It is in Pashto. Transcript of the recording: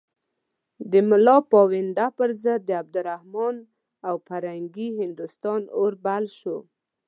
د ملا پوونده پر ضد د عبدالرحمن او فرنګي هندوستان اور بل شو.